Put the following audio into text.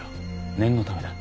念のためだ。